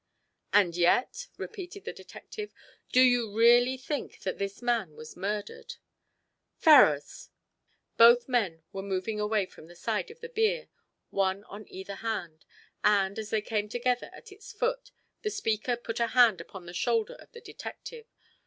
"And yet," repeated the detective, "do you really think that this man was murdered?" "Ferrars!" Both men were moving away from the side of the bier, one on either hand, and, as they came together at its foot, the speaker put a hand upon the shoulder of the detective.